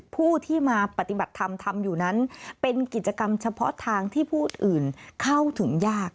ผู้ที่มาปฏิบัติธรรมทำอยู่นั้นเป็นกิจกรรมเฉพาะทางที่ผู้อื่นเข้าถึงยาก